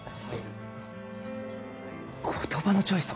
言葉のチョイス